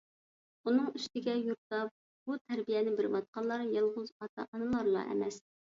ئۇنىڭ ئۈستىگە، يۇرتتا بۇ تەربىيەنى بېرىۋاتقانلار يالغۇز ئاتا-ئانىلارلا ئەمەس.